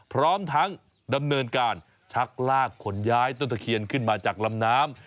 พร้อมทั้งดำเนินการชักลากขนย้ายต้นตะเคียนขึ้นมาจากลำน้ำ